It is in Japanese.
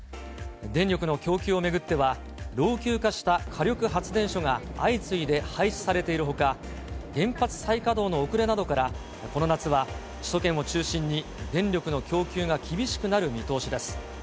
電力の供給を巡っては、老朽化した火力発電所が相次いで廃止されているほか、原発再稼働の遅れなどから、この夏は、首都圏を中心に電力の供給が厳しくなる見通しです。